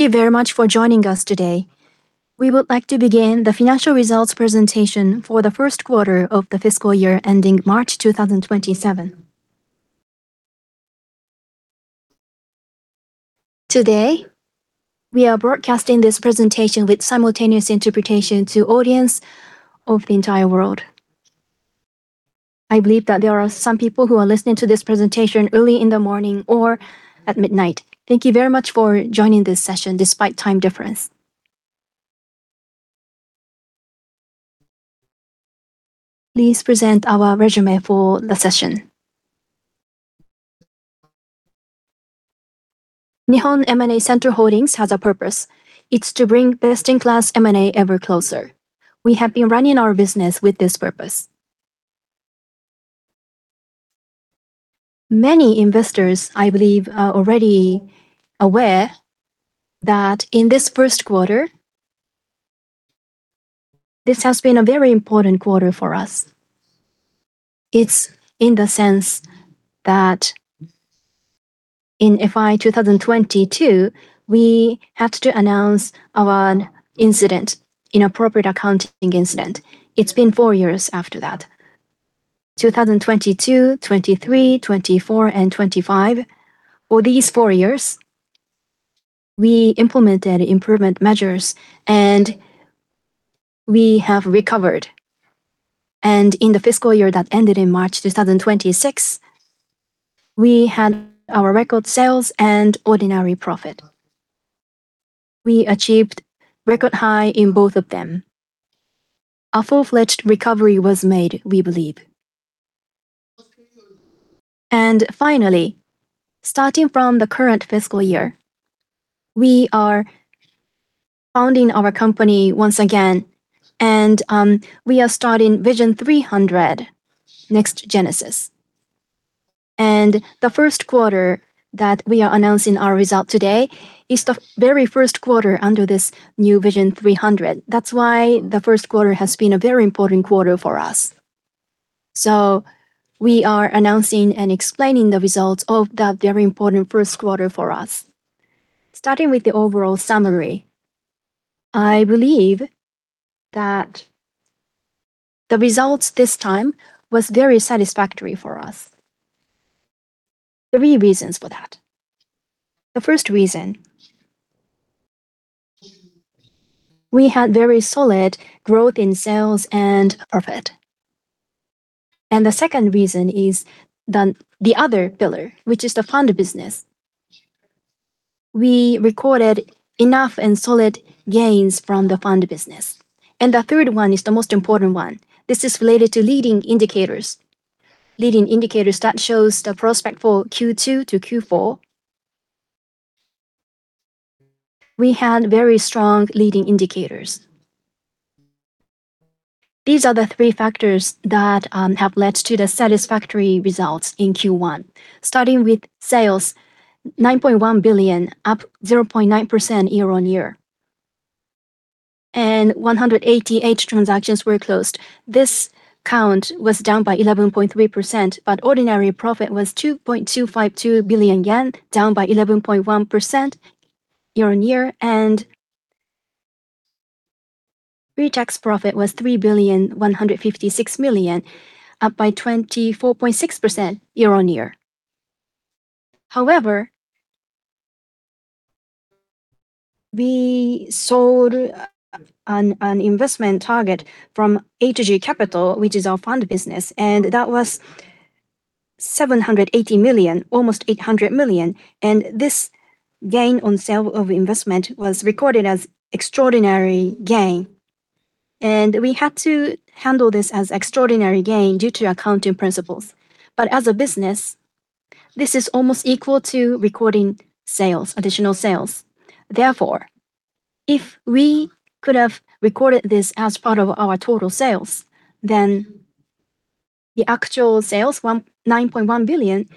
Thank you very much for joining us today. We would like to begin the financial results presentation for the 1st quarter of the fiscal year ending March 2027. Today, we are broadcasting this presentation with simultaneous interpretation to audience of the entire world. I believe that there are some people who are listening to this presentation early in the morning or at midnight. Thank you very much for joining this session despite time difference. Please present our summary for the session. Nihon M&A Center Holdings has a purpose. It's to bring best-in-class M&A ever closer. We have been running our business with this purpose. Many investors, I believe, are already aware that in this 1st quarter, this has been a very important quarter for us. It's in the sense that in FY 2022, we had to announce our incident, inappropriate accounting incident. It's been four years after that, 2022, 2023, 2024, and 2025. For these four years, we implemented improvement measures, and we have recovered. In the fiscal year that ended in March 2026, we had our record sales and ordinary profit. We achieved record high in both of them. A full-fledged recovery was made, we believe. Finally, starting from the current fiscal year, we are founding our company once again, and we are starting Vision 300 Next Genesis. The 1st quarter that we are announcing our result today is the very 1st quarter under this new Vision 300. That's why the 1st quarter has been a very important quarter for us. We are announcing and explaining the results of that very important 1st quarter for us. Starting with the overall summary, I believe that the results this time was very satisfactory for us. three reasons for that. The first reason, we had very solid growth in sales and profit. The second reason is the other pillar, which is the fund business. We recorded enough and solid gains from the fund business. The third one is the most important one. This is related to leading indicators. Leading indicators that shows the prospect for Q2-Q4. We had very strong leading indicators. These are the three factors that have led to the satisfactory results in Q1. Starting with sales, 9.1 billion, up 0.9% year-over-year. 188 transactions were closed. This count was down by 11.3%. Ordinary profit was 2.252 billion yen, down by 11.1% year-over-year. Pre-tax profit was 3.156 billion, up by 24.6% year-over-year. However, we sold an investment target from AtoG Capital, which is our fund business, and that was 780 million, almost 800 million. This gain on sale of investment was recorded as extraordinary gain. We had to handle this as extraordinary gain due to accounting principles. As a business, this is almost equal to recording additional sales. Therefore, if we could have recorded this as part of our total sales, then the actual sales, 9.1 billion,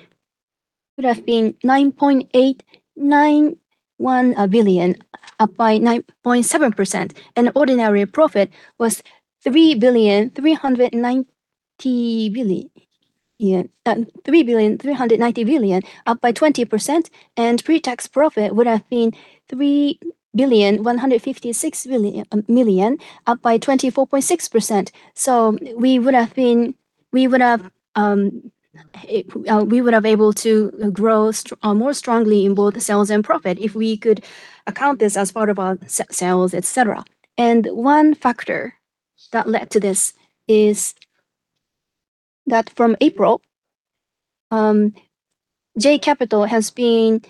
could have been 9.891 billion, up by 9.7%. Ordinary profit was 3.390 billion, up by 20%. Pre-tax profit would have been 3.156 billion, up by 24.6%. We would have able to grow more strongly in both sales and profit if we could account this as part of our sales, et cetera. One factor that led to this is that from April, J-Capital has been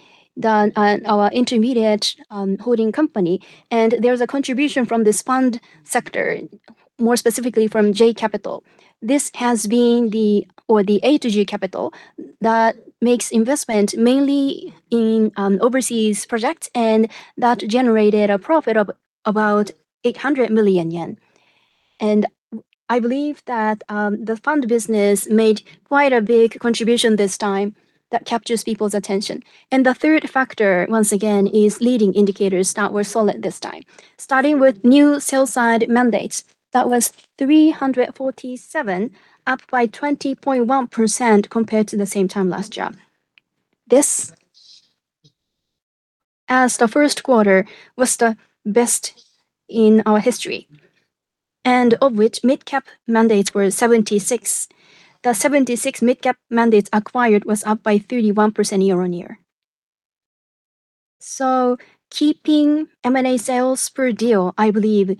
our intermediate holding company, and there's a contribution from this fund sector, more specifically from J-Capital. This has been the AtoG Capital that makes investment mainly in overseas projects, and that generated a profit of about 800 million yen. I believe that the fund business made quite a big contribution this time that captures people's attention. The third factor, once again, is leading indicators that were solid this time. Starting with new sell-side mandates, that was 347, up by 20.1% compared to the same time last year. This, as the first quarter was the best in our history, and of which mid-cap mandates were 76. The 76 mid-cap mandates acquired was up by 31% year-on-year. Keeping M&A sales per deal, I believe,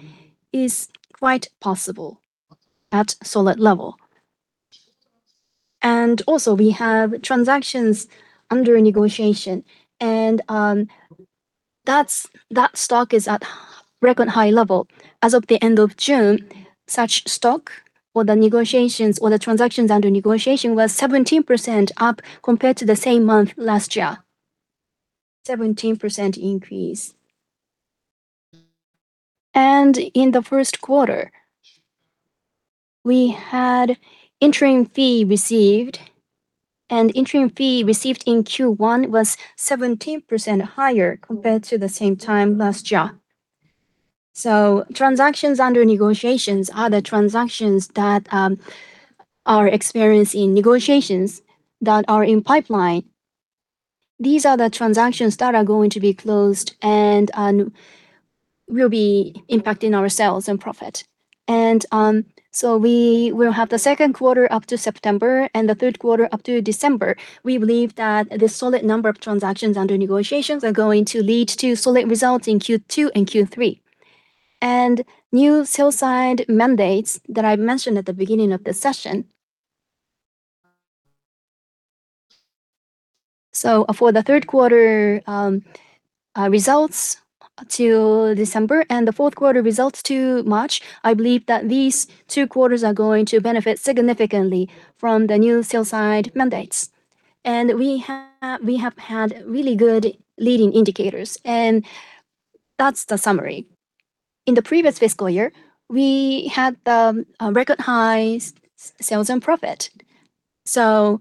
is quite possible at solid level. Also we have transactions under negotiation, and that stock is at record-high level. As of the end of June, such stock or the negotiations or the transactions under negotiation were 17% up compared to the same month last year. 17% increase. In the first quarter, we had interim fee received. Interim fee received in Q1 was 17% higher compared to the same time last year. Transactions under negotiations are the transactions that are experienced in negotiations that are in pipeline. These are the transactions that are going to be closed and will be impacting our sales and profit. We will have the second quarter up to September and the third quarter up to December. We believe that the solid number of transactions under negotiations are going to lead to solid results in Q2 and Q3. New sell-side mandates that I mentioned at the beginning of the session. For the third quarter results till December and the fourth quarter results till March, I believe that these two quarters are going to benefit significantly from the new sell-side mandates. We have had really good leading indicators, and that's the summary. In the previous fiscal year, we had the record-highest sales and profit. I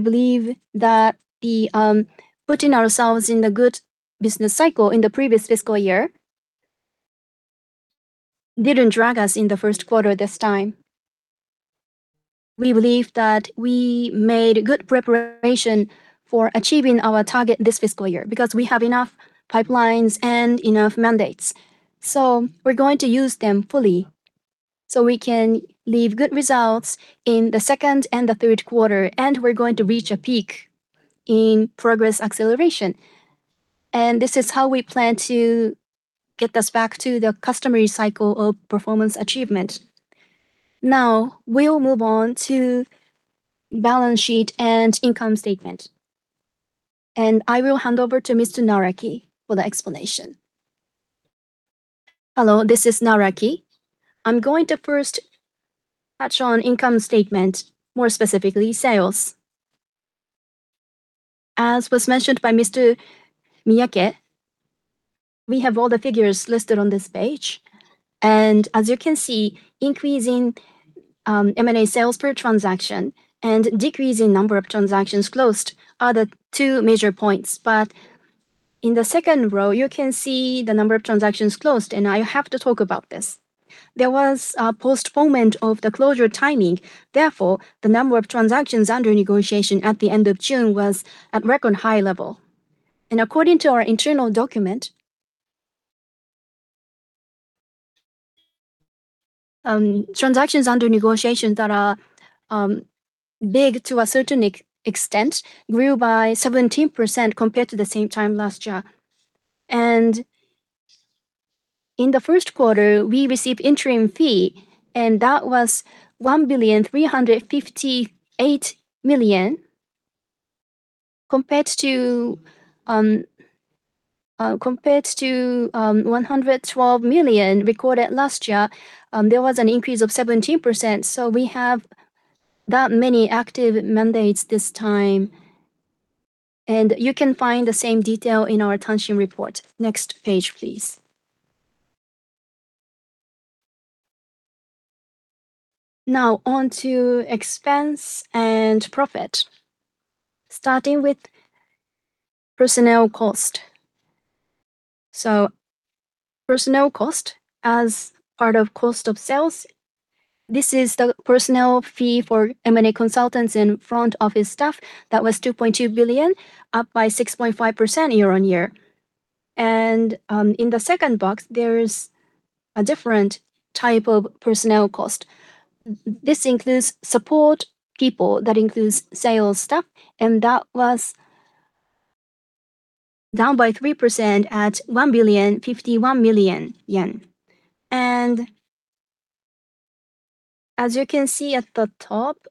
believe that putting ourselves in the good business cycle in the previous fiscal year didn't drag us in the first quarter this time. We believe that we made good preparation for achieving our target this fiscal year because we have enough pipelines and enough mandates. We're going to use them fully so we can leave good results in the second and the third quarter, and we're going to reach a peak in progress acceleration. This is how we plan to get us back to the customary cycle of performance achievement. Now we'll move on to balance sheet and income statement, and I will hand over to Mr. Naraki for the explanation. Hello, this is Naraki. I'm going to first touch on income statement, more specifically, sales. As was mentioned by Mr. Miyake, we have all the figures listed on this page. As you can see, increase in M&A sales per transaction and decrease in number of transactions closed are the two major points. In the second row, you can see the number of transactions closed, and I have to talk about this. There was a postponement of the closure timing. Therefore, the number of transactions under negotiation at the end of June was at record high level. According to our internal document, transactions under negotiation that are big to a certain extent grew by 17% compared to the same time last year. In the first quarter, we received interim fee, that was 1,358,000,000 compared to 112 million recorded last year. There was an increase of 17%, so we have that many active mandates this time. You can find the same detail in our Tanshin report. Next page, please. On to expense and profit, starting with personnel cost. Personnel cost as part of cost of sales. This is the personnel fee for M&A consultants and front office staff. That was 2.2 billion, up by 6.5% year-on-year. In the second box, there is a different type of personnel cost. This includes support people. That includes sales staff, that was down by 3% at 1,051,000,000 yen. As you can see at the top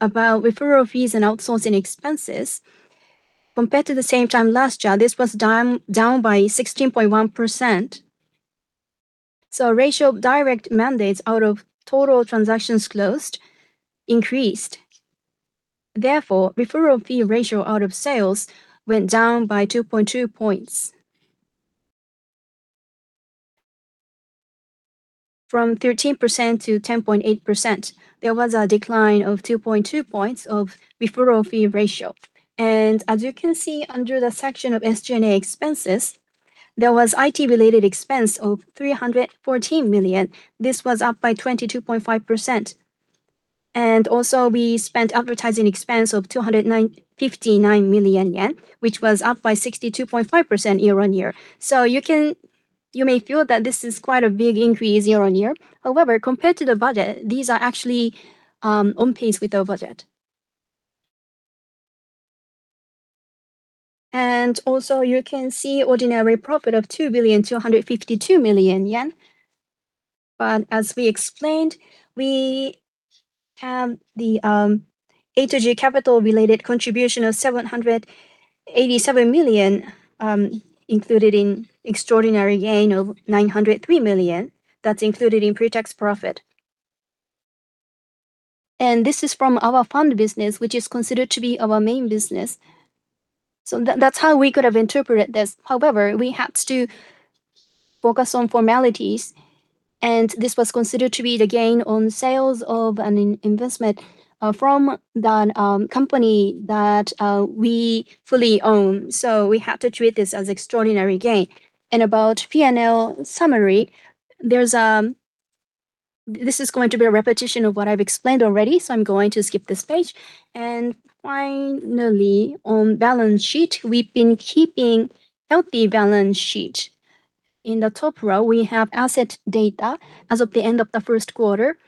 about referral fees and outsourcing expenses, compared to the same time last year, this was down by 16.1%. Ratio of direct mandates out of total transactions closed increased. Therefore, referral fee ratio out of sales went down by 2.2 points. From 13% to 10.8%. There was a decline of 2.2 points of referral fee ratio. As you can see under the section of SG&A expenses, there was IT-related expense of 314 million. This was up by 22.5%. Also, we spent advertising expense of 259 million yen, which was up by 62.5% year-on-year. You may feel that this is quite a big increase year-on-year. Compared to the budget, these are actually on pace with our budget. Also, you can see ordinary profit of 2,252 million yen. As we explained, we have the AtoG Capital-related contribution of 787 million included in extraordinary gain of 903 million. That is included in pre-tax profit. This is from our fund business, which is considered to be our main business. That is how we could have interpreted this. We had to focus on formalities, and this was considered to be the gain on sales of an investment from the company that we fully own. So we have to treat this as extraordinary gain. About P&L summary, this is going to be a repetition of what I have explained already, so I am going to skip this page. Finally, on balance sheet, we have been keeping healthy balance sheet. In the top row, we have asset data as of the end of the first quarter,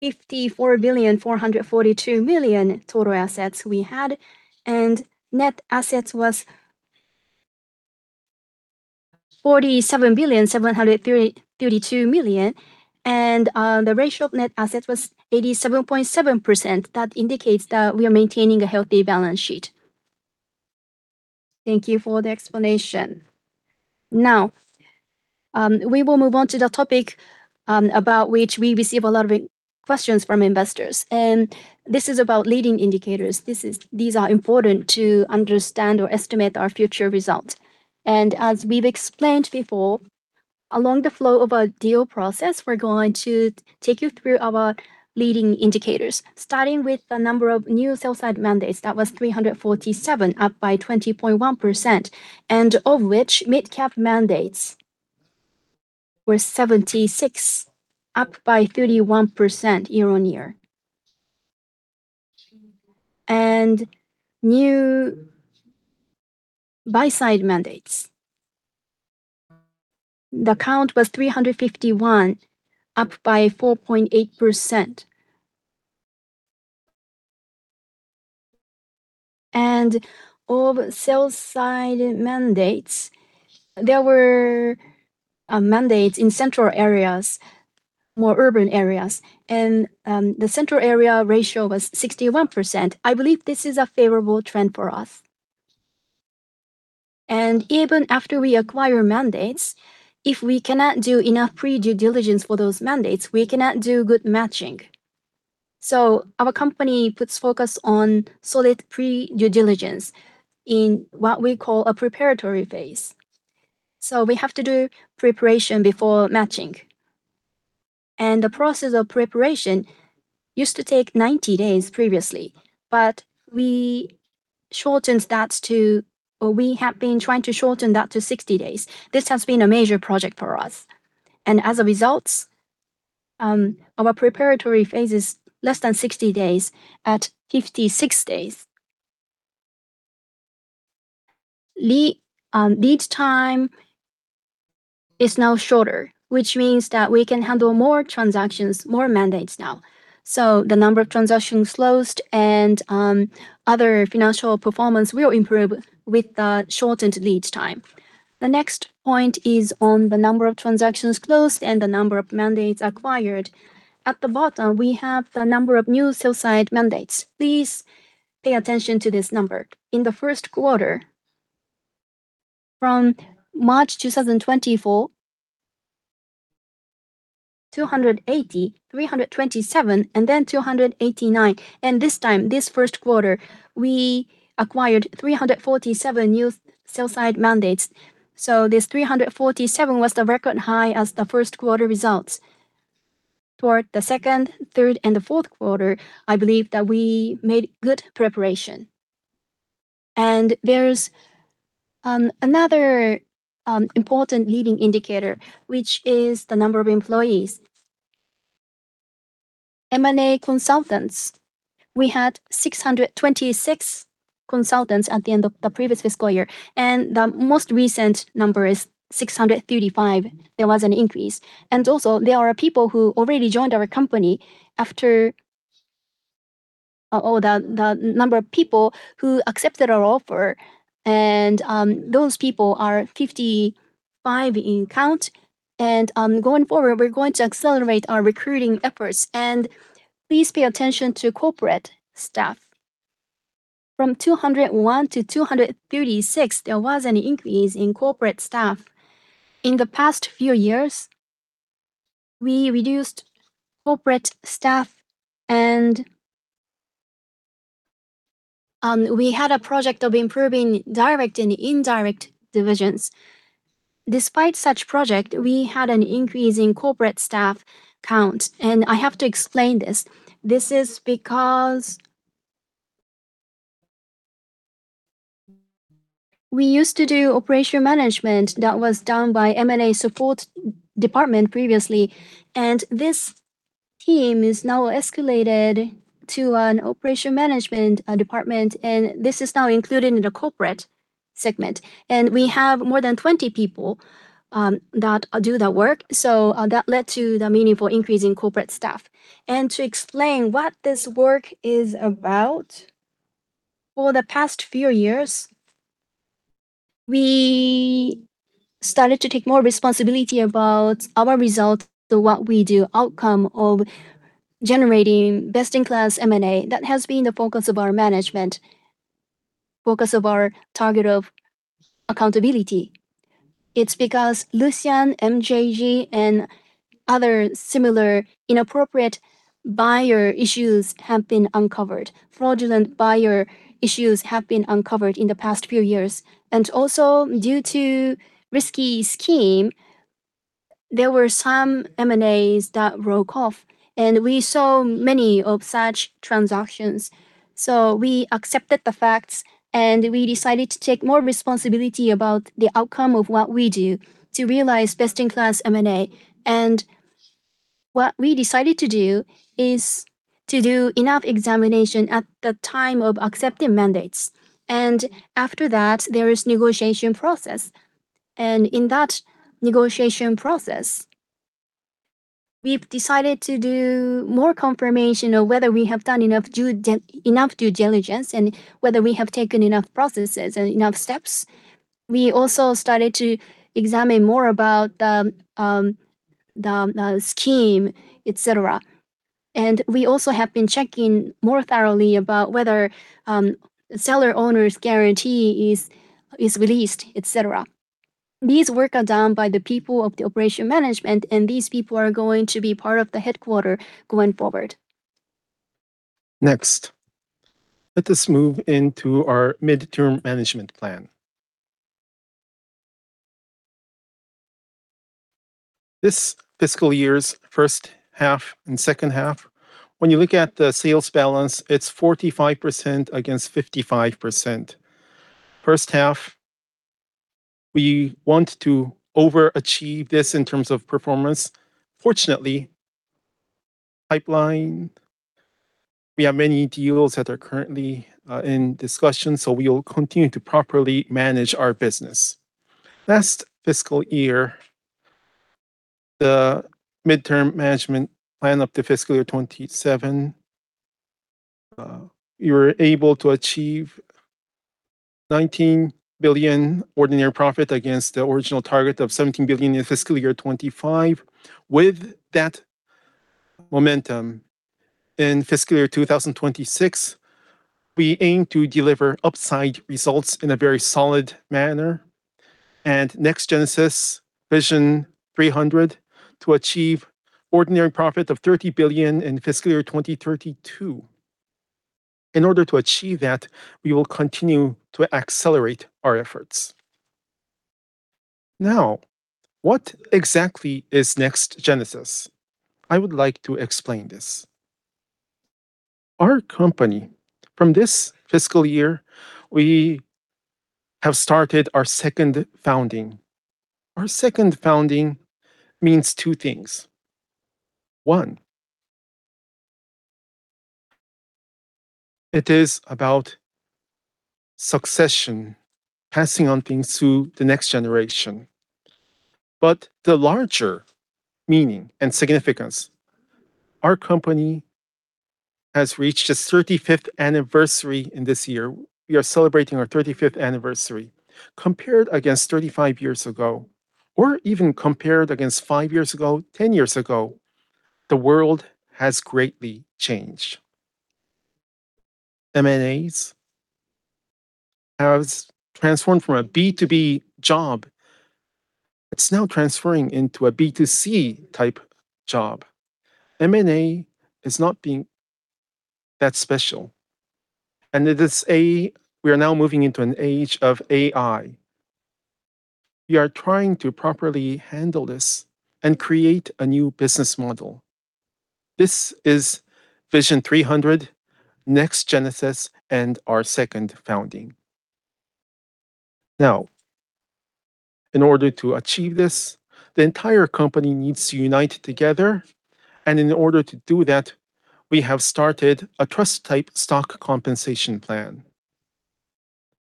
54,442 million total assets we had, net assets was 47,732 million. The ratio of net assets was 87.7%. That indicates that we are maintaining a healthy balance sheet. Thank you for the explanation. We will move on to the topic about which we receive a lot of questions from investors, this is about leading indicators. These are important to understand or estimate our future result. As we have explained before, along the flow of a deal process, we are going to take you through our leading indicators. Starting with the number of new sell-side mandates, that was 347, up by 20.1%, of which mid-cap mandates were 76, up by 31% year-on-year. New buy-side mandates. The count was 351, up by 4.8%. Of sell-side mandates, there were mandates in central areas, more urban areas, and the central area ratio was 61%. I believe this is a favorable trend for us. Even after we acquire mandates, if we cannot do enough pre-due diligence for those mandates, we cannot do good matching. Our company puts focus on solid pre-due diligence in what we call a preparatory phase. We have to do preparation before matching. The process of preparation used to take 90 days previously, but we shortened that to we have been trying to shorten that to 60 days. This has been a major project for us. As a result, our preparatory phase is less than 60 days at 56 days. Lead time is now shorter, which means that we can handle more transactions, more mandates now. The number of transactions closed and other financial performance will improve with the shortened lead time. The next point is on the number of transactions closed and the number of mandates acquired. At the bottom, we have the number of new sell-side mandates. Please pay attention to this number. In the first quarter, from March 2024, 280, 327, and then 289. This time, this first quarter, we acquired 347 new sell-side mandates. This 347 was the record high as the first quarter results. Toward the second, third, and the fourth quarter, I believe that we made good preparation. There's another important leading indicator, which is the number of employees. M&A consultants. We had 626 consultants at the end of the previous fiscal year, and the most recent number is 635. There was an increase. There are people who already joined our company after the number of people who accepted our offer, and those people are 55 in count. Going forward, we're going to accelerate our recruiting efforts. Please pay attention to corporate staff. From 201 to 236, there was an increase in corporate staff. In the past few years, we reduced corporate staff. We had a project of improving direct and indirect divisions. Despite such project, we had an increase in corporate staff count, and I have to explain this. This is because we used to do operation management that was done by M&A support department previously, and this team is now escalated to an operation management department, and this is now included in the corporate segment. We have more than 20 people that do the work. That led to the meaningful increase in corporate staff. To explain what this work is about, for the past few years, we started to take more responsibility about our result to what we do, outcome of generating best-in-class M&A. That has been the focus of our management, focus of our target of accountability. It's because Lucian, MJG, and other similar inappropriate buyer issues have been uncovered. Fraudulent buyer issues have been uncovered in the past few years. Also due to risky scheme, there were some M&As that wrote off, and we saw many of such transactions. We accepted the facts, and we decided to take more responsibility about the outcome of what we do to realize best-in-class M&A. What we decided to do is to do enough examination at the time of accepting mandates. After that, there is negotiation process. In that negotiation process, we've decided to do more confirmation of whether we have done enough due diligence and whether we have taken enough processes and enough steps. We also started to examine more about the scheme, et cetera. We also have been checking more thoroughly about whether seller owner's guarantee is released, et cetera. These work are done by the people of the operations management, and these people are going to be part of the headquarters going forward. Next, let us move into our midterm management plan. This fiscal year's first half and second half, when you look at the sales balance, it's 45% against 55%. First half, we want to overachieve this in terms of performance. Fortunately, pipeline, we have many deals that are currently in discussion, so we will continue to properly manage our business. Last fiscal year, the midterm management plan up to FY 2027, we were able to achieve 19 billion ordinary profit against the original target of 17 billion in FY 2025. With that momentum, in FY 2026, we aim to deliver upside results in a very solid manner. Vision 300, Next GENESIS to achieve ordinary profit of 30 billion in FY 2032. In order to achieve that, we will continue to accelerate our efforts. What exactly is Next GENESIS? I would like to explain this. Our company, from this fiscal year, we have started our second founding. Our second founding means 2 things. One, it is about succession, passing on things to the next generation. The larger meaning and significance, our company has reached its 35th anniversary in this year. We are celebrating our 35th anniversary. Compared against 35 years ago, or even compared against 5 years ago, 10 years ago, the world has greatly changed. M&As have transformed from a B2B job. It's now transferring into a B2C-type job. M&A is not being that special. We are now moving into an age of AI. We are trying to properly handle this and create a new business model. This is Vision 300, Next GENESIS, and our second founding. In order to achieve this, the entire company needs to unite together. In order to do that, we have started a trust-type stock compensation plan.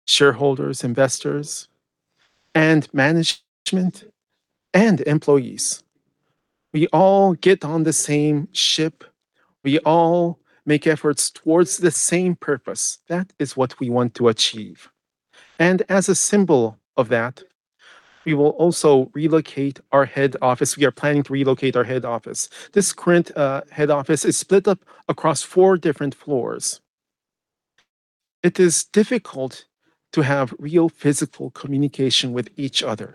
Shareholders, investors, and management, and employees. We all get on the same ship. We all make efforts towards the same purpose. That is what we want to achieve. As a symbol of that, we will also relocate our headquarters. We are planning to relocate our headquarters. This current headquarters is split up across four different floors. It is difficult to have real physical communication with each other.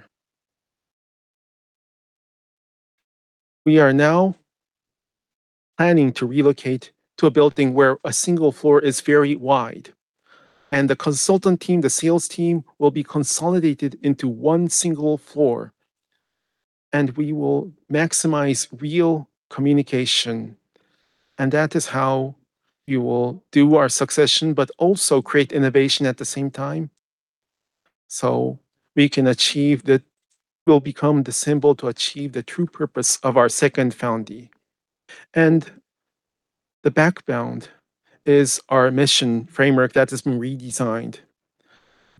We are now planning to relocate to a building where a single floor is very wide and the consultant team, the sales team, will be consolidated into one single floor, and we will maximize real communication. That is how we will do our succession, but also create innovation at the same time, so we can achieve that. We'll become the symbol to achieve the true purpose of our second founding. The background is our mission framework that has been redesigned.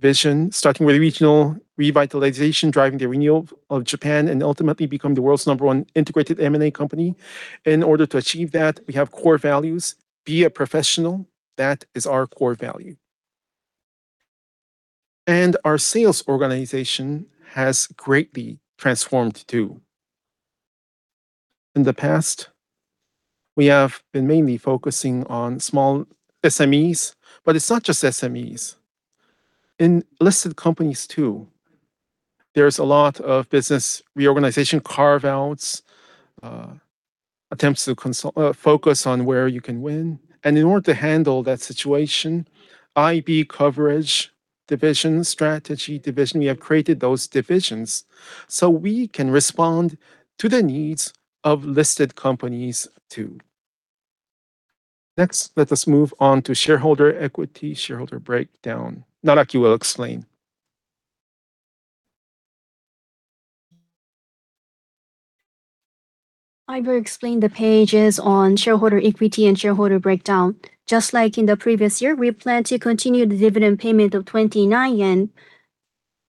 Vision, starting with regional revitalization, driving the renewal of Japan, and ultimately become the world's number one integrated M&A company. In order to achieve that, we have core values. Be a professional. That is our core value. Our sales organization has greatly transformed, too. In the past, we have been mainly focusing on small SMEs, but it's not just SMEs. In listed companies, too, there's a lot of business reorganization, carve-outs, attempts to focus on where you can win. In order to handle that situation, IB coverage division, strategy division, we have created those divisions so we can respond to the needs of listed companies, too. Next, let us move on to shareholder equity, shareholder breakdown. Naraki will explain. I will explain the pages on shareholder equity and shareholder breakdown. Just like in the previous year, we plan to continue the dividend payment of 29 yen.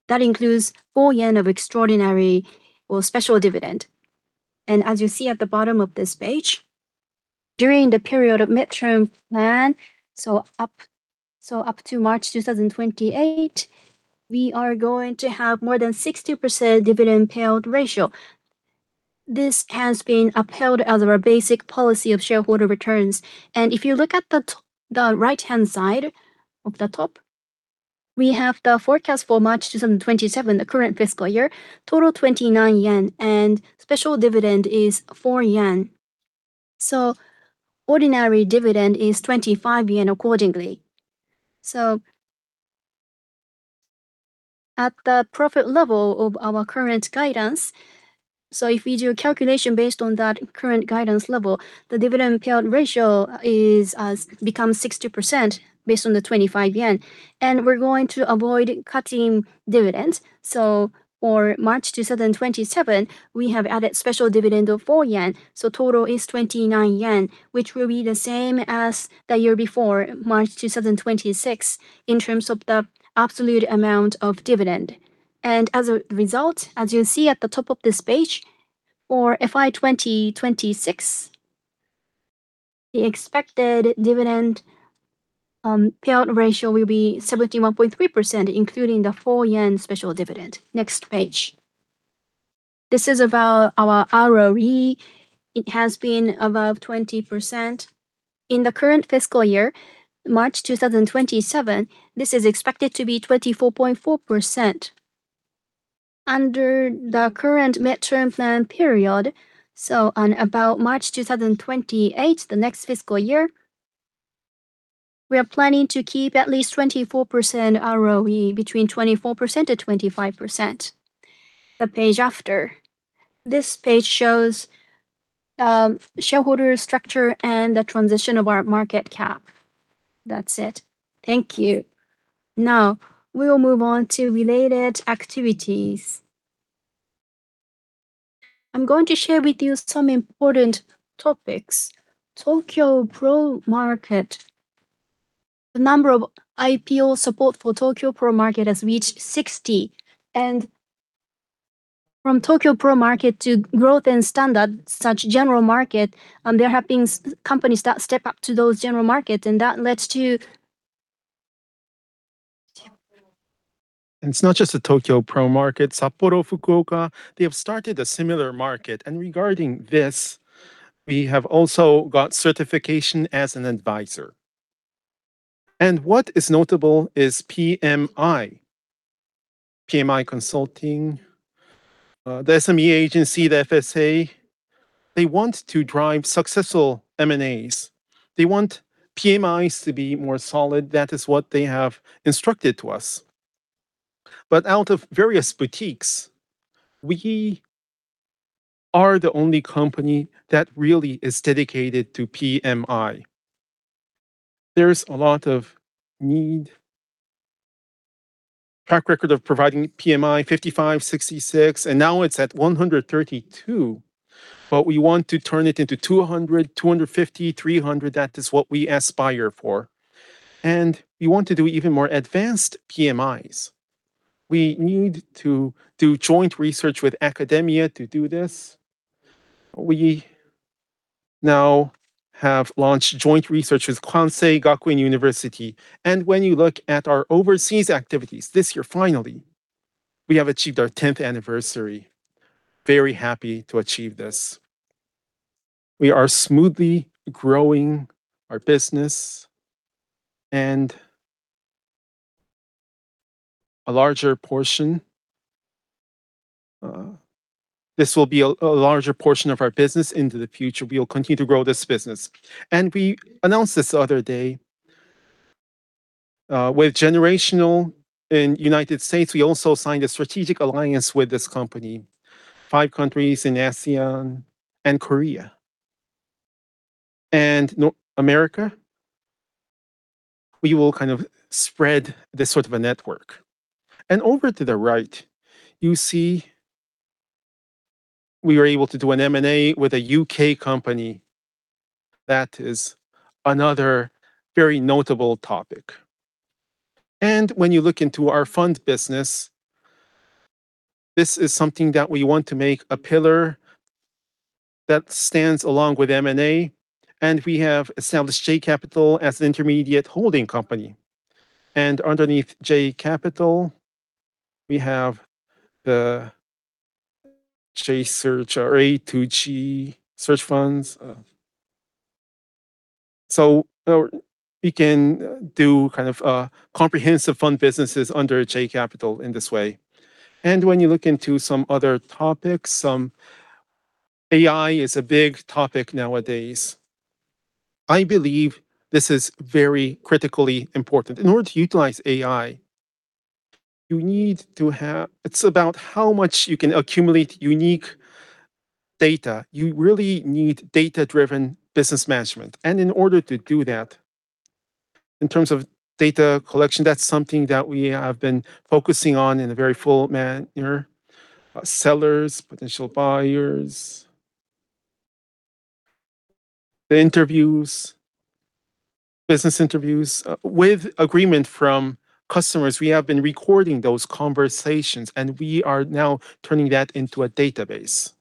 That includes 4 yen of extraordinary or special dividend. As you see at the bottom of this page, during the period of midterm plan, up to March 2028, we are going to have more than 60% dividend payout ratio. This has been upheld as our basic policy of shareholder returns. If you look at the right-hand side of the top, we have the forecast for March 2027, the current fiscal year, total 29 yen and special dividend is 4 yen. Ordinary dividend is 25 yen accordingly. At the profit level of our current guidance, if we do a calculation based on that current guidance level, the dividend payout ratio becomes 60% based on the 25 yen. We're going to avoid cutting dividends. For March 2027, we have added special dividend of 4 yen, so total is 29 yen, which will be the same as the year before, March 2026, in terms of the absolute amount of dividend. As a result, as you'll see at the top of this page, for FY 2026, the expected dividend payout ratio will be 71.3%, including the 4 yen special dividend. Next page. This is about our ROE. It has been above 20%. In the current fiscal year, March 2027, this is expected to be 24.4%. Under the current midterm plan period, on about March 2028, the next fiscal year, we are planning to keep at least 24% ROE, between 24%-25%. The page after. This page shows shareholder structure and the transition of our market cap. That's it. Thank you. Now we will move on to related activities. I'm going to share with you some important topics. Tokyo Pro Market. The number of IPO support for Tokyo Pro Market has reached 60. From Tokyo Pro Market to growth and standard, such general market, there have been companies that step up to those general markets, that lets to- It's not just the Tokyo Pro Market, Sapporo, Fukuoka, they have started a similar market. Regarding this, we have also got certification as an advisor. What is notable is PMI. PMI consulting, the SME Agency, the FSA, they want to drive successful M&As. They want PMIs to be more solid. That is what they have instructed to us. But out of various boutiques, we are the only company that really is dedicated to PMI. There's a lot of need. Track record of providing PMI 55, 66, and now it's at 132, but we want to turn it into 200, 250, 300. That is what we aspire for. We want to do even more advanced PMIs. We need to do joint research with academia to do this. We now have launched joint research with Kwansei Gakuin University. When you look at our overseas activities this year, finally, we have achieved our 10th anniversary. Very happy to achieve this. We are smoothly growing our business. This will be a larger portion of our business into the future. We will continue to grow this business. We announced this the other day. With Generational Group in the U.S., we also signed a strategic alliance with this company, five countries in ASEAN and Korea and North America. We will spread this sort of a network. Over to the right, you see we were able to do an M&A with a U.K. company. That is another very notable topic. When you look into our fund business, this is something that we want to make a pillar that stands along with M&A, and we have established J-Capital as the intermediate holding company. Underneath J-Capital, we have the AtoG search funds. We can do comprehensive fund businesses under J-Capital in this way. When you look into some other topics, AI is a big topic nowadays. I believe this is very critically important. In order to utilize AI, it's about how much you can accumulate unique data. You really need data-driven business management. In order to do that, in terms of data collection, that's something that we have been focusing on in a very full manner. Sellers, potential buyers, the interviews, business interviews. With agreement from customers, we have been recording those conversations, and we are now turning that into a database.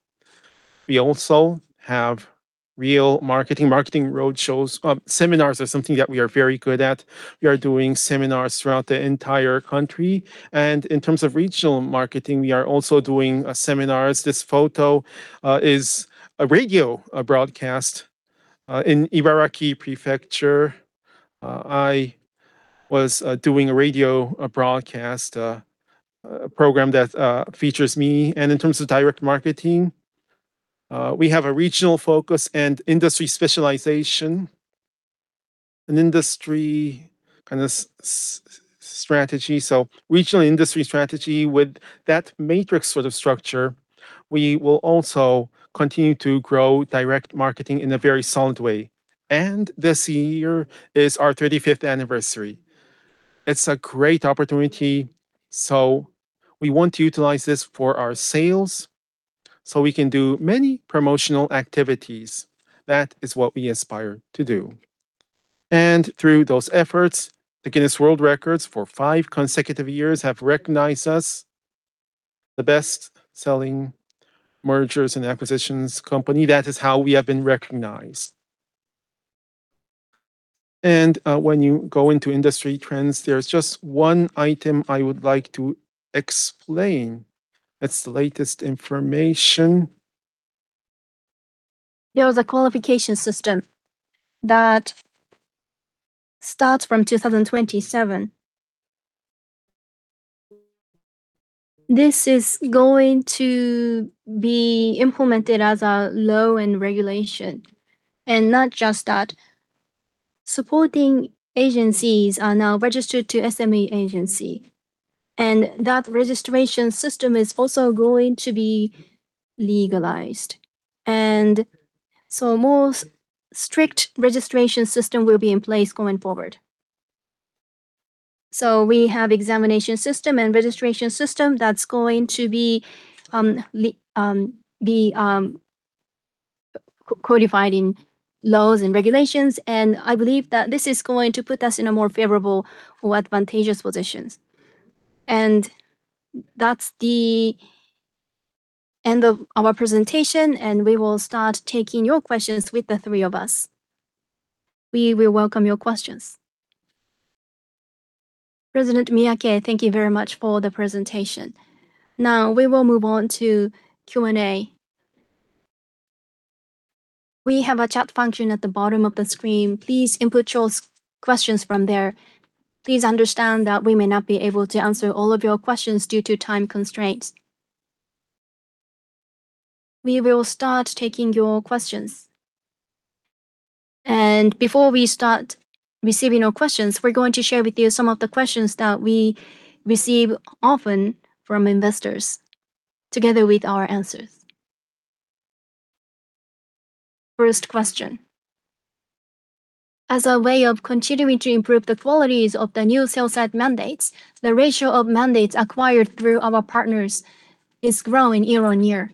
We also have real marketing. Marketing roadshows. Seminars are something that we are very good at. We are doing seminars throughout the entire country. In terms of regional marketing, we are also doing seminars. This photo is a radio broadcast in Ibaraki Prefecture. I was doing a radio broadcast, a program that features me. In terms of direct marketing, we have a regional focus and industry specialization. An industry strategy. Regional industry strategy. With that matrix sort of structure, we will also continue to grow direct marketing in a very solid way. This year is our 35th anniversary. It's a great opportunity, so we want to utilize this for our sales, so we can do many promotional activities. That is what we aspire to do. Through those efforts, the Guinness World Records for five consecutive years have recognized us the best-selling mergers and acquisitions company. That is how we have been recognized. When you go into industry trends, there's just one item I would like to explain. It's the latest information. There is a qualification system that starts from 2027. This is going to be implemented as a law and regulation. Not just that, supporting agencies are now registered to SME Agency, and that registration system is also going to be legalized. So a more strict registration system will be in place going forward. So we have examination system and registration system that is going to be codified in laws and regulations, and I believe that this is going to put us in a more favorable or advantageous position. That is the end of our presentation, and we will start taking your questions with the three of us. We will welcome your questions. President Miyake, thank you very much for the presentation. Now we will move on to Q&A. We have a chat function at the bottom of the screen. Please input your questions from there. Please understand that we may not be able to answer all of your questions due to time constraints. We will start taking your questions. Before we start receiving your questions, we are going to share with you some of the questions that we receive often from investors, together with our answers. First question. As a way of continuing to improve the qualities of the new sell-side mandates, the ratio of mandates acquired through our partners is growing year-on-year.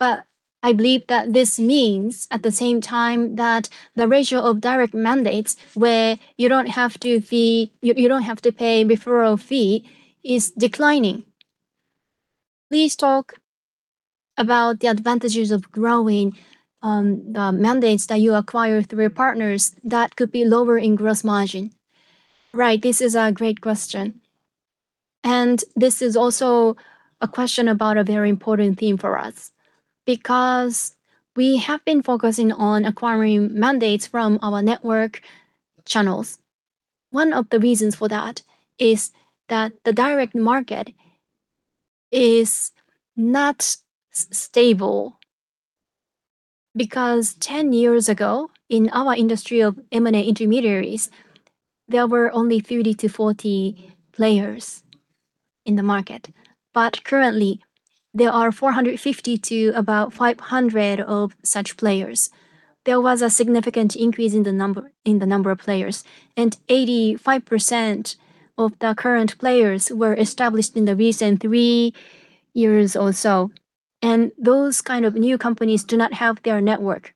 But I believe that this means, at the same time, that the ratio of direct mandates, where you do not have to pay referral fee, is declining. Please talk about the advantages of growing the mandates that you acquire through your partners that could be lower in gross margin. Right. This is a great question. This is also a question about a very important theme for us. We have been focusing on acquiring mandates from our network channels. One of the reasons for that is that the direct market is not stable. 10 years ago, in our industry of M&A intermediaries, there were only 30 to 40 players in the market. But currently, there are 450 to about 500 of such players. There was a significant increase in the number of players, and 85% of the current players were established in the recent three years or so. Those kind of new companies do not have their network.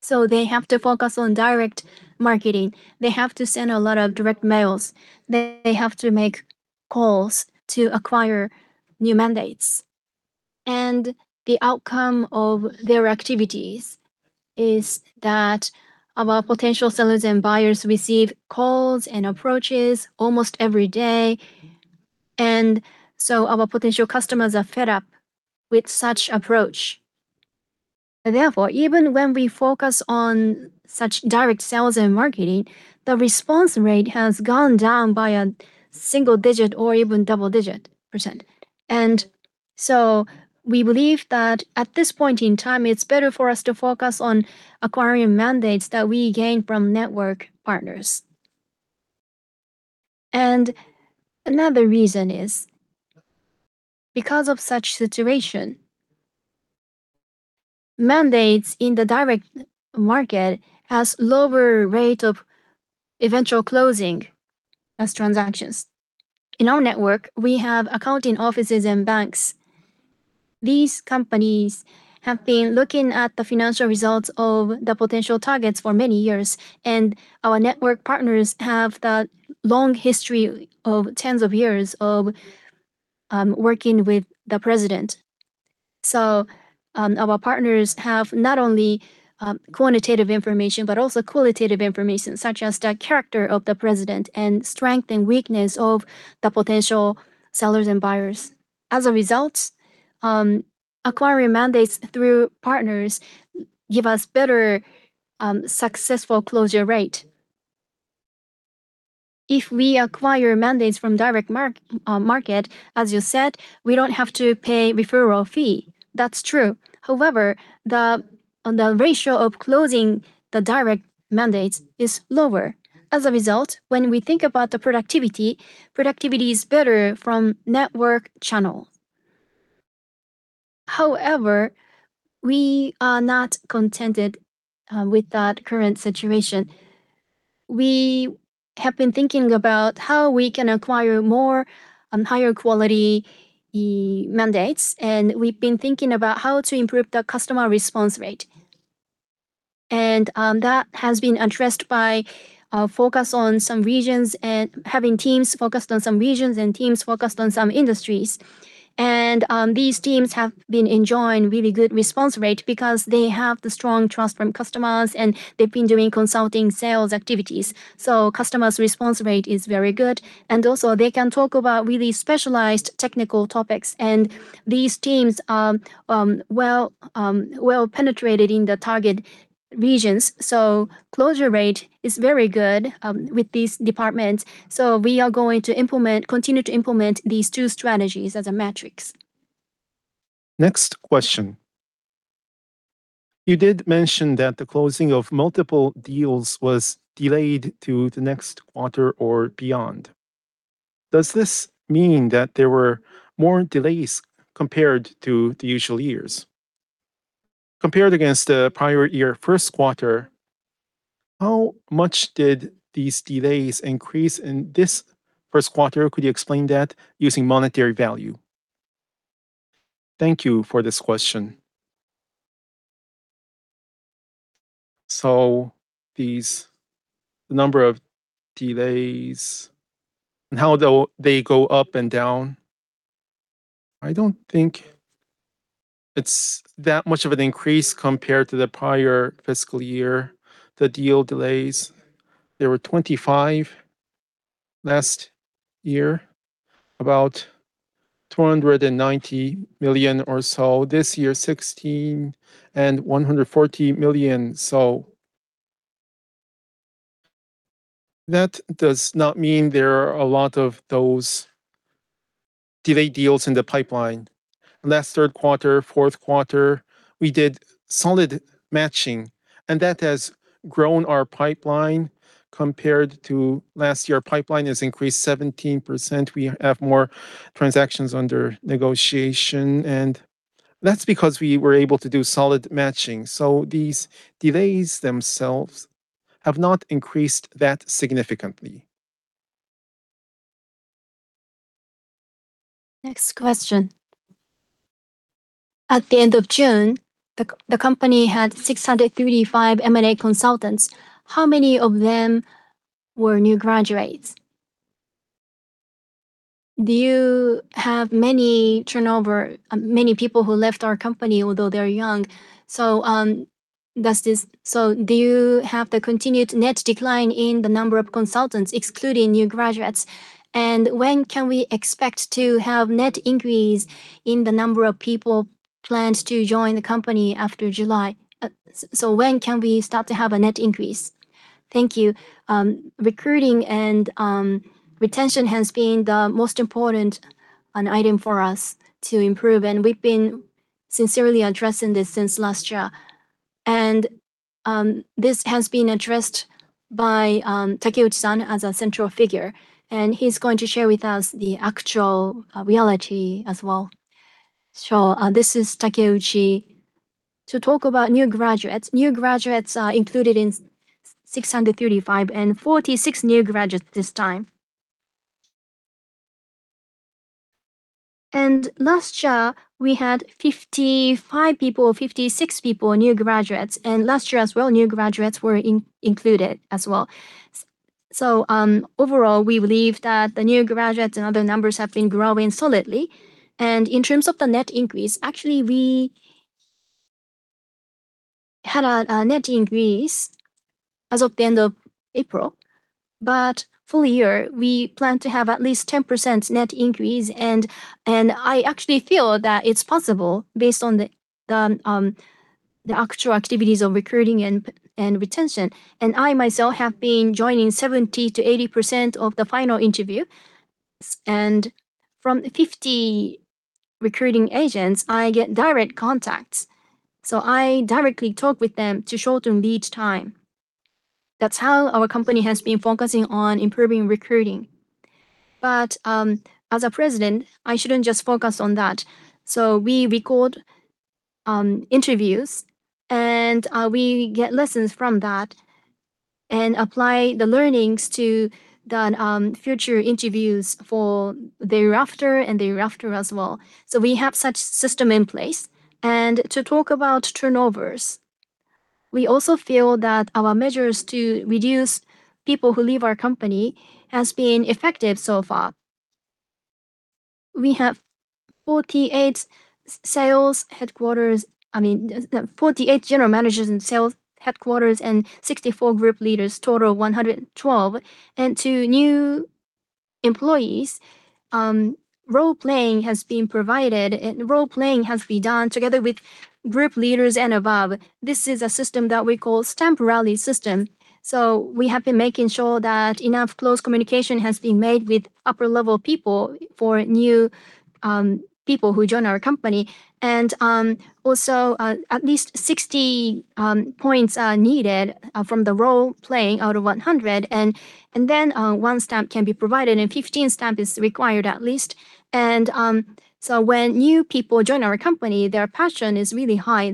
So they have to focus on direct marketing. They have to send a lot of direct mails. They have to make calls to acquire new mandates. The outcome of their activities is that our potential sellers and buyers receive calls and approaches almost every day. So our potential customers are fed up with such approach. Therefore, even when we focus on such direct sales and marketing, the response rate has gone down by a single-digit or even double-digit percent. So we believe that at this point in time, it is better for us to focus on acquiring mandates that we gain from network partners. Another reason is because of such situation, mandates in the direct market has lower rate of eventual closing as transactions. In our network, we have accounting offices and banks. These companies have been looking at the financial results of the potential targets for many years, and our network partners have the long history of tens of years of working with the president. Our partners have not only quantitative information, but also qualitative information, such as the character of the president and strength and weakness of the potential sellers and buyers. As a result, acquiring mandates through partners give us better successful closure rate. If we acquire mandates from direct market, as you said, we don't have to pay referral fee. That's true. However, the ratio of closing the direct mandates is lower. As a result, when we think about the productivity is better from network channel. However, we are not contented with that current situation. We have been thinking about how we can acquire more higher quality mandates, and we've been thinking about how to improve the customer response rate. That has been addressed by our focus on some regions and having teams focused on some regions and teams focused on some industries. These teams have been enjoying really good response rate because they have the strong trust from customers, and they've been doing consulting sales activities. Customers' response rate is very good, and also they can talk about really specialized technical topics, and these teams are well-penetrated in the target regions. Closure rate is very good with these departments. We are going to continue to implement these two strategies as a metrics. Next question. You did mention that the closing of multiple deals was delayed to the next quarter or beyond. Does this mean that there were more delays compared to the usual years? Compared against the prior year first quarter, how much did these delays increase in this first quarter? Could you explain that using monetary value? Thank you for this question. These number of delays and how they go up and down, I don't think it's that much of an increase compared to the prior fiscal year. The deal delays, there were 25 last year, about 290 million or so. This year, 16 and 140 million. That does not mean there are a lot of those delayed deals in the pipeline. Last third quarter, fourth quarter, we did solid matching, and that has grown our pipeline compared to last year. Pipeline has increased 17%. We have more transactions under negotiation, and that's because we were able to do solid matching. These delays themselves have not increased that significantly. Next question. At the end of June, the company had 635 M&A consultants. How many of them were new graduates? Do you have many turnover, many people who left our company, although they're young? Do you have the continued net decline in the number of consultants, excluding new graduates? When can we expect to have net increase in the number of people planned to join the company after July? When can we start to have a net increase? Thank you. Recruiting and retention has been the most important item for us to improve, and we've been sincerely addressing this since last year. This has been addressed by Takeuchi-san as a central figure, and he's going to share with us the actual reality as well. This is Takeuchi. To talk about new graduates. New graduates are included in 635 and 46 new graduates this time. Last year we had 55 people or 56 people, new graduates, and last year as well, new graduates were included as well. Overall, we believe that the new graduates and other numbers have been growing solidly. In terms of the net increase, actually we had a net increase as of the end of April, but full year, we plan to have at least 10% net increase. I actually feel that it's possible based on the actual activities of recruiting and retention. I myself have been joining 70%-80% of the final interview. From 50 recruiting agents, I get direct contacts. I directly talk with them to shorten lead time. That's how our company has been focusing on improving recruiting. As a president, I shouldn't just focus on that. We record interviews, and we get lessons from that and apply the learnings to the future interviews for thereafter and thereafter as well. We have such system in place. To talk about turnovers, we also feel that our measures to reduce people who leave our company has been effective so far. We have 48 general managers in sales headquarters and 64 group leaders, total of 112. To new employees, role-playing has been provided, and role-playing has been done together with group leaders and above. This is a system that we call stamp rally system. We have been making sure that enough close communication has been made with upper-level people for new people who join our company. Also, at least 60 points are needed from the role-playing out of 100 and then one stamp can be provided, and 15 stamp is required at least. When new people join our company, their passion is really high.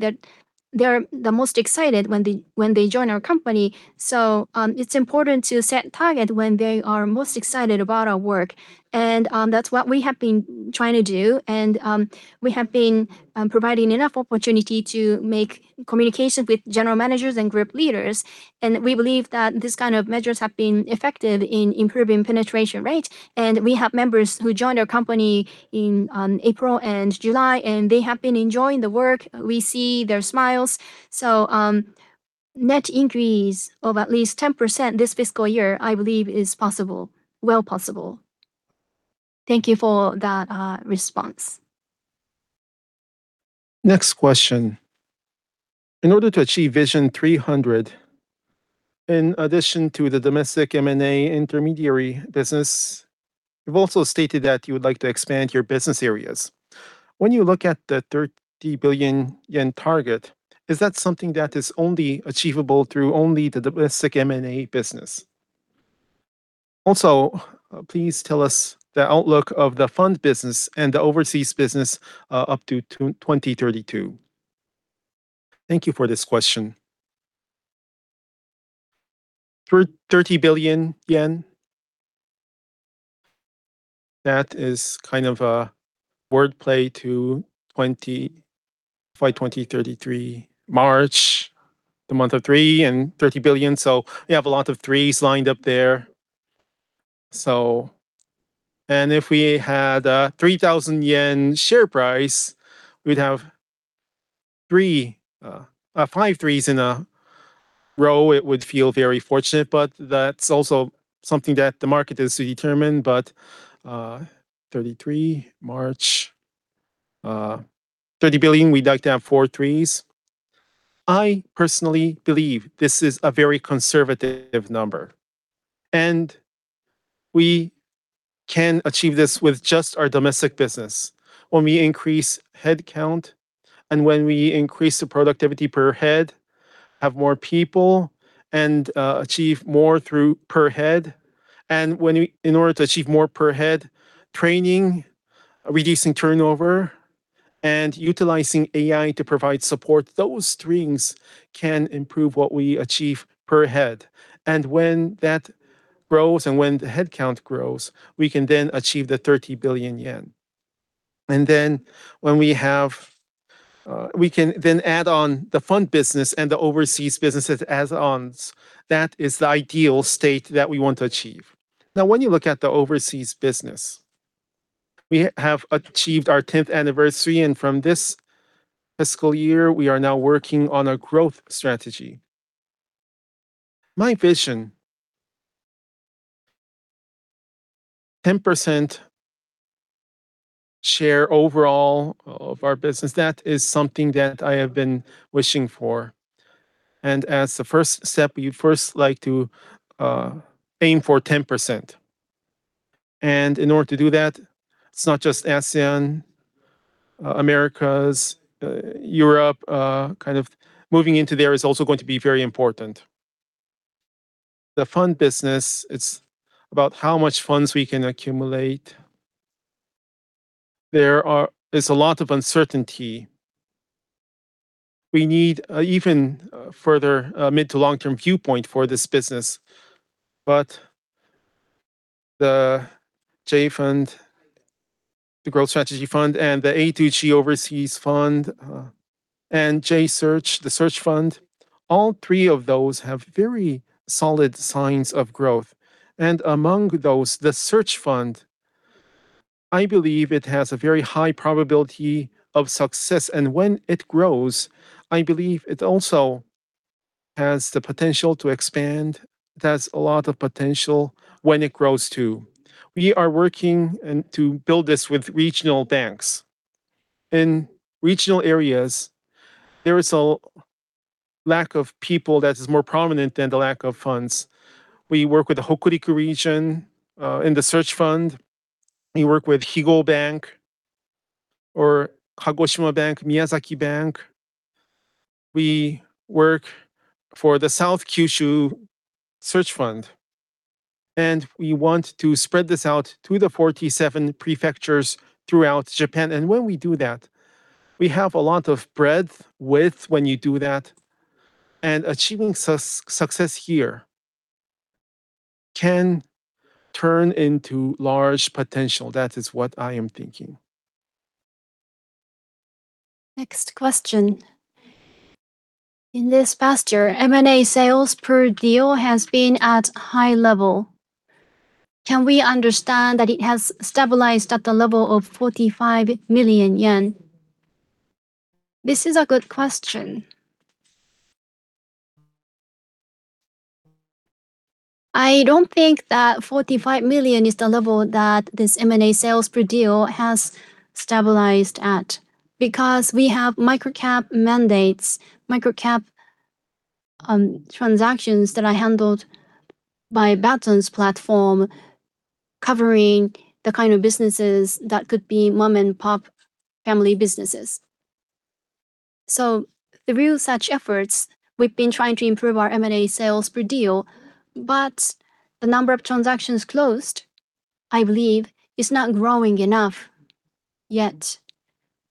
They're the most excited when they join our company. It's important to set target when they are most excited about our work. That's what we have been trying to do. We have been providing enough opportunity to make communications with general managers and group leaders, and we believe that these kind of measures have been effective in improving penetration rate. We have members who joined our company in April and July, and they have been enjoying the work. We see their smiles. Net increase of at least 10% this fiscal year, I believe is possible. Well possible. Thank you for that response. Next question. In order to achieve Vision 300, in addition to the domestic M&A intermediary business, you've also stated that you would like to expand your business areas. When you look at the 30 billion yen target, is that something that is only achievable through only the domestic M&A business? Please tell us the outlook of the fund business and the overseas business up to 2032. Thank you for this question. JPY 30 billion. That is kind of a wordplay to 25, March 2033, the month of three and 30 billion. We have a lot of 3s lined up there. If we had a 3,000 yen share price, we'd have five 3s in a row. It would feel very fortunate, that's also something that the market is to determine. March 2033, JPY 30 billion, we knock down four 3s. I personally believe this is a very conservative number, we can achieve this with just our domestic business. When we increase headcount and when we increase the productivity per head, have more people, and achieve more through per head. In order to achieve more per head, training, reducing turnover, and utilizing AI to provide support, those 3s can improve what we achieve per head. When that grows and when the headcount grows, we can then achieve the 30 billion yen. We can then add on the fund business and the overseas businesses as ons. That is the ideal state that we want to achieve. When you look at the overseas business, we have achieved our 10th anniversary, and from this fiscal year, we are now working on a growth strategy. My vision, 10% share overall of our business, that is something that I have been wishing for. As the first step, we first like to aim for 10%. In order to do that, it's not just ASEAN, Americas, Europe. Moving into there is also going to be very important. The fund business, it's about how much funds we can accumulate. There's a lot of uncertainty. We need an even further mid to long-term viewpoint for this business. The J-FUN, the Growth Strategy Fund, and the AtoG Overseas Fund, and J-Search, the Search Fund, all 3 of those have very solid signs of growth. Among those, the Search Fund, I believe it has a very high probability of success, and when it grows, I believe it also has the potential to expand. It has a lot of potential when it grows, too. We are working to build this with regional banks. In regional areas, there is a lack of people that is more prominent than the lack of funds. We work with the Hokuriku region, in the Search Fund. We work with Higo Bank or Kagoshima Bank, Miyazaki Bank. We work for the Minami Kyushu Search Fund, we want to spread this out to the 47 prefectures throughout Japan. When we do that, we have a lot of breadth, width when you do that, and achieving success here can turn into large potential. That is what I am thinking. Next question. In this past year, M&A sales per deal has been at high level. Can we understand that it has stabilized at the level of 45 million yen? This is a good question. I don't think that 45 million is the level that this M&A sales per deal has stabilized at because we have microcap mandates, microcap transactions that are handled by Batonz platform, covering the kind of businesses that could be mom-and-pop family businesses. The real such efforts, we've been trying to improve our M&A sales per deal, but the number of transactions closed, I believe, is not growing enough yet.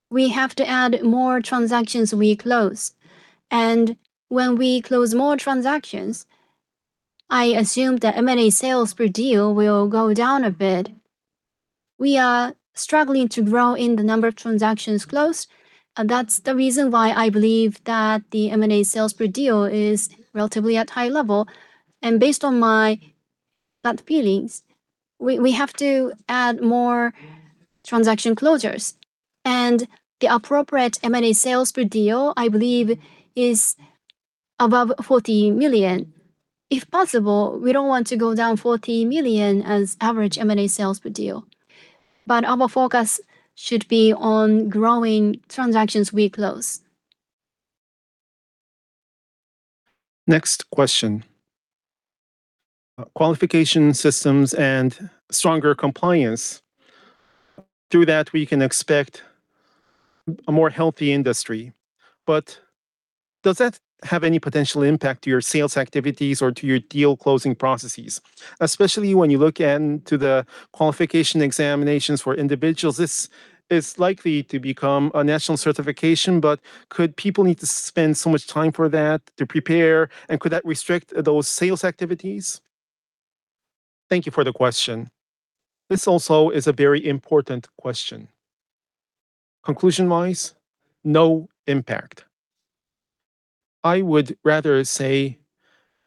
We have to add more transactions we close. When we close more transactions, I assume that M&A sales per deal will go down a bit. We are struggling to grow in the number of transactions closed. That's the reason why I believe that the M&A sales per deal is relatively at high level. Based on my gut feelings, we have to add more transaction closures. The appropriate M&A sales per deal, I believe, is above 40 million. If possible, we don't want to go down 40 million as average M&A sales per deal. Our focus should be on growing transactions we close. Next question. Qualification systems and stronger compliance. Through that, we can expect a more healthy industry. Does that have any potential impact to your sales activities or to your deal-closing processes? Especially when you look into the qualification examinations for individuals, this is likely to become a national certification, but could people need to spend so much time for that to prepare, and could that restrict those sales activities? Thank you for the question. This also is a very important question. Conclusion-wise, no impact. I would rather say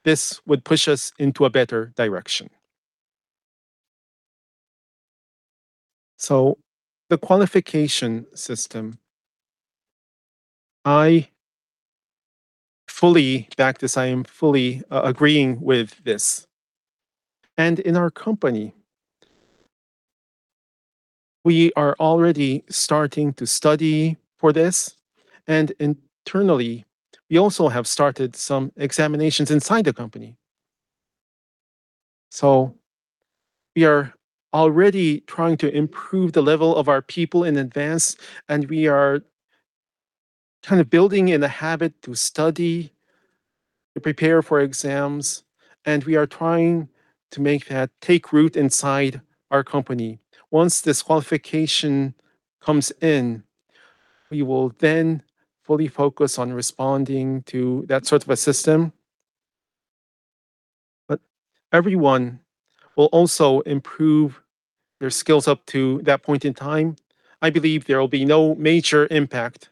this would push us into a better direction. The qualification system, I back this. I am fully agreeing with this. In our company, we are already starting to study for this. Internally, we also have started some examinations inside the company. We are already trying to improve the level of our people in advance, and we are building in a habit to study, to prepare for exams, and we are trying to make that take root inside our company. Once this qualification comes in, we will then fully focus on responding to that sort of a system. Everyone will also improve their skills up to that point in time. I believe there will be no major impact.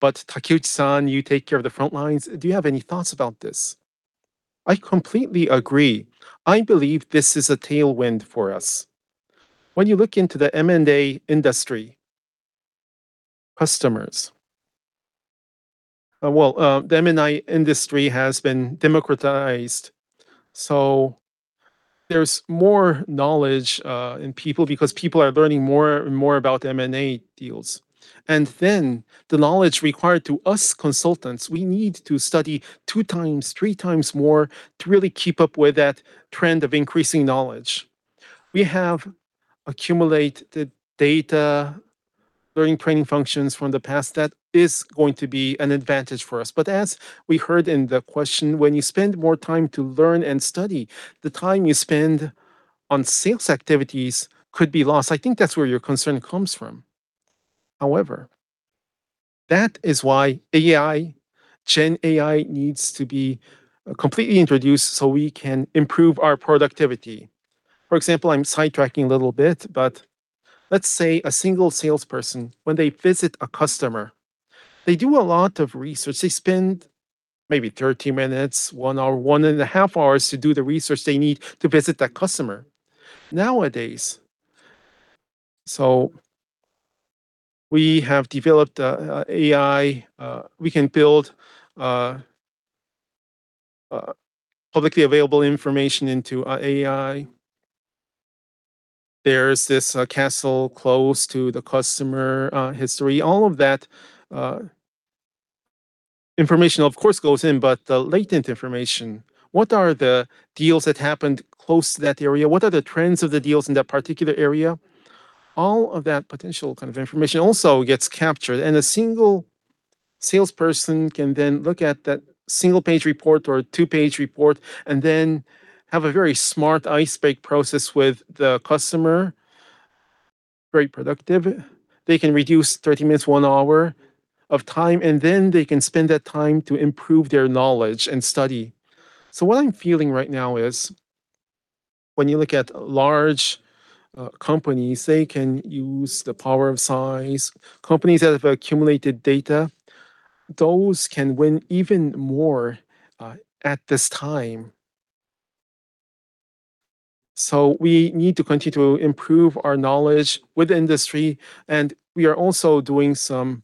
Takeuchi-san, you take care of the front lines. Do you have any thoughts about this? I completely agree. I believe this is a tailwind for us. When you look into the M&A industry, customers. Well, the M&A industry has been democratized, so there's more knowledge in people because people are learning more and more about M&A deals. The knowledge required to us consultants, we need to study two times, three times more to really keep up with that trend of increasing knowledge. We have accumulated data, learning training functions from the past that is going to be an advantage for us. As we heard in the question, when you spend more time to learn and study, the time you spend on sales activities could be lost. I think that's where your concern comes from. However, that is why AI, Gen AI needs to be completely introduced so we can improve our productivity. For example, I'm sidetracking a little bit, let's say a single salesperson, when they visit a customer, they do a lot of research. They spend maybe 30 minutes, one hour, one and a half hours to do the research they need to visit that customer nowadays. We have developed AI. We can build publicly available information into AI. There's this castle close to the customer history. All of that information of course goes in, the latent information, what are the deals that happened close to that area? What are the trends of the deals in that particular area? All of that potential kind of information also gets captured. A single salesperson can then look at that single-page report or a two-page report and then have a very smart ice break process with the customer. Very productive. They can reduce 30 minutes, one hour of time, and then they can spend that time to improve their knowledge and study. What I'm feeling right now is when you look at large companies, they can use the power of size. Companies that have accumulated data, those can win even more at this time. We need to continue to improve our knowledge with the industry, and we are also doing some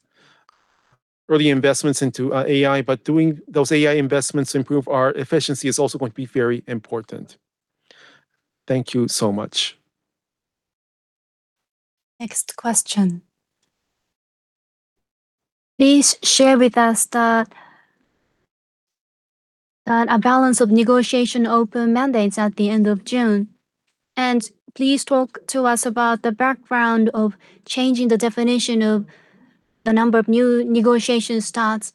early investments into AI. Doing those AI investments to improve our efficiency is also going to be very important. Thank you so much. Next question. Please share with us the balance of negotiation open mandates at the end of June. Please talk to us about the background of changing the definition of the number of new negotiation starts,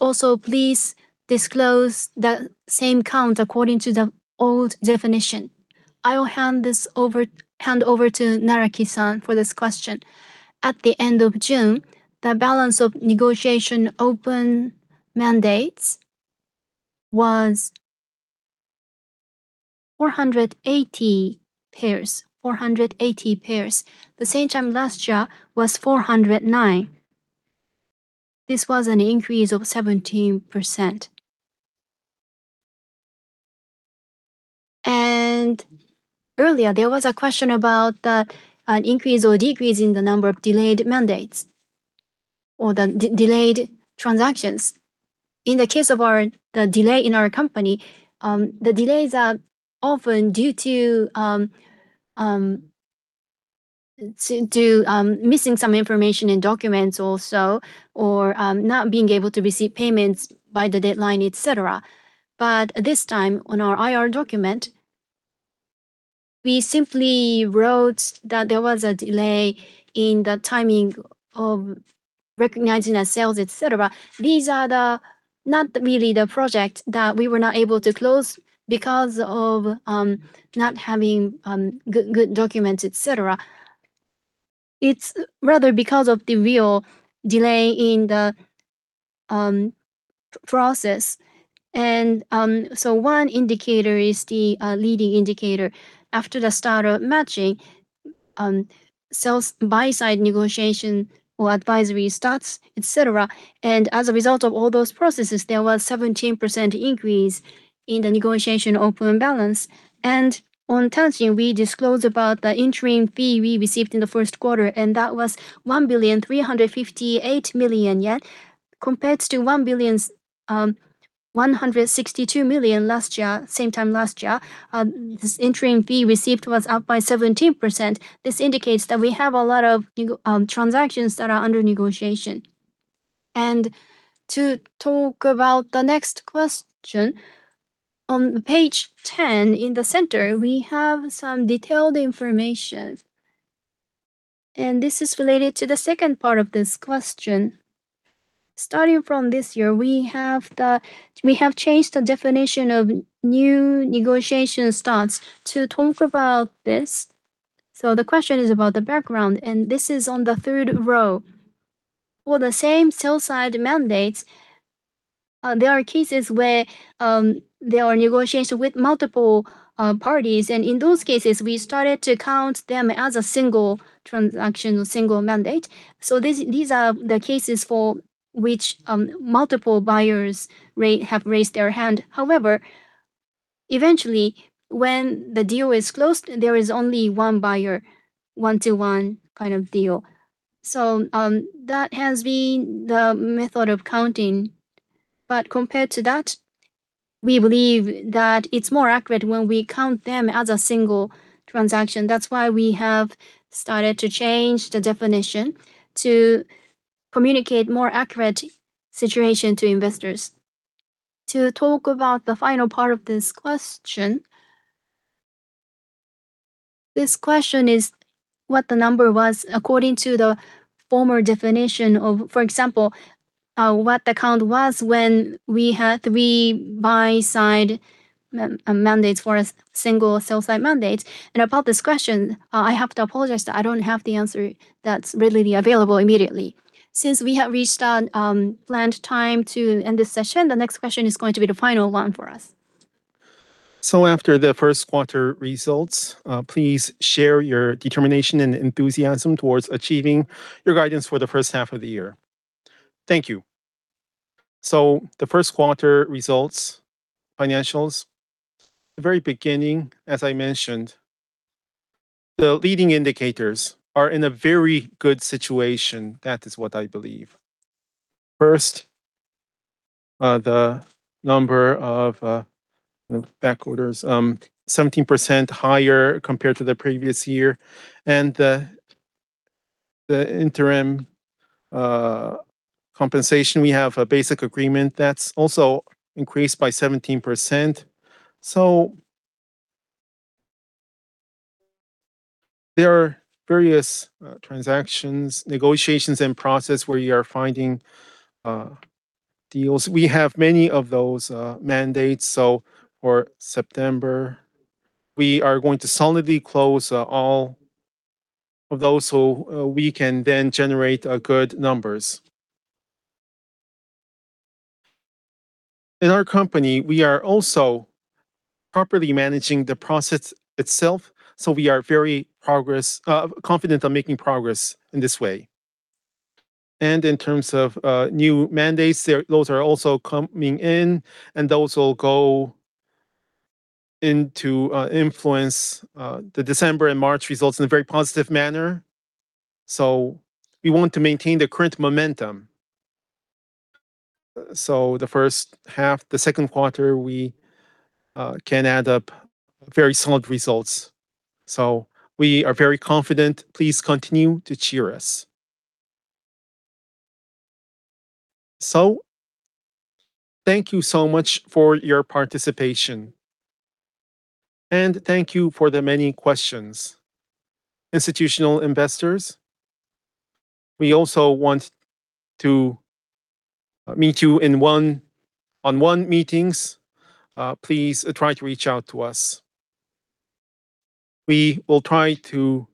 also please disclose the same count according to the old definition. I will hand over to Naraki-san for this question. At the end of June, the balance of negotiation open mandates was 480 pairs. The same time last year was 409. This was an increase of 17%. Earlier there was a question about an increase or decrease in the number of delayed mandates or the delayed transactions. In the case of the delay in our company, the delays are often due to missing some information in documents also, or not being able to receive payments by the deadline, et cetera. This time on our IR document, we simply wrote that there was a delay in the timing of recognizing our sales, et cetera. These are not really the project that we were not able to close because of not having good documents, et cetera. It is rather because of the real delay in the process. One indicator is the leading indicator. After the start of matching, sell buy-side negotiation or advisory starts, et cetera. As a result of all those processes, there was 17% increase in the negotiation open balance. On 10-Q we disclosed about the interim fee we received in the first quarter, and that was 1,358,000,000 yen compared to 1,162,000,000 last year, same time last year. This interim fee received was up by 17%. This indicates that we have a lot of transactions that are under negotiation. To talk about the next question, on page 10 in the center, we have some detailed information. This is related to the second part of this question. Starting from this year, we have changed the definition of new negotiation starts to talk about this. The question is about the background, and this is on the third row. For the same sell-side mandates, there are cases where there are negotiation with multiple parties, and in those cases, we started to count them as a single transaction or single mandate. These are the cases for which multiple buyers have raised their hand. However, eventually, when the deal is closed, there is only one buyer, a one-to-one kind of deal. That has been the method of counting. Compared to that, we believe that it is more accurate when we count them as a single transaction. That is why we have started to change the definition to communicate a more accurate situation to investors. To talk about the final part of this question. This question is what the number was according to the former definition of, for example, what the count was when we had three buy-side mandates for a single sell-side mandate. About this question, I have to apologize that I do not have the answer that is readily available immediately. Since we have reached our planned time to end this session, the next question is going to be the final one for us. So after the first quarter results, please share your determination and enthusiasm towards achieving your guidance for the first half of the year." Thank you. The first quarter results, financials. The very beginning, as I mentioned, the leading indicators are in a very good situation. That is what I believe. First, the number of back orders, 17% higher compared to the previous year. The interim compensation, we have a basic agreement that is also increased by 17%. There are various transactions, negotiations, and process where we are finding deals. We have many of those mandates. For September, we are going to solidly close all of those so we can then generate good numbers. In our company, we are also properly managing the process itself, so we are very confident on making progress in this way. In terms of new mandates, those are also coming in, and those will go in to influence the December and March results in a very positive manner. We want to maintain the current momentum. The first half, the second quarter, we can add up very solid results. We are very confident. Please continue to cheer us. Thank you so much for your participation, and thank you for the many questions. Institutional investors, we also want to meet you in one-on-one meetings. Please try to reach out to us. We will try to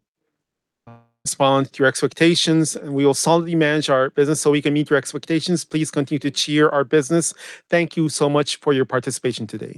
respond to your expectations, and we will solidly manage our business so we can meet your expectations. Please continue to cheer our business. Thank you so much for your participation today.